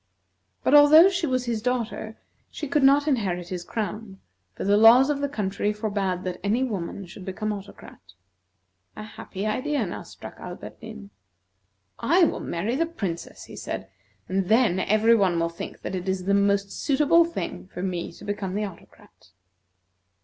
But although she was his daughter, she could not inherit his crown, for the laws of the country forbade that any woman should become Autocrat. A happy idea now struck Alberdin. "I will marry the Princess," he said, "and then every one will think that it is the most suitable thing for me to become Autocrat."